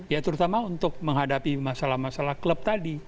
ya terutama untuk menghadapi masalah masalah klub tadi